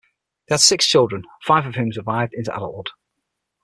They had six children, five of whom survived into adulthood.